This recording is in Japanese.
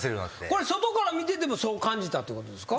これ外から見ててもそう感じたってことですか？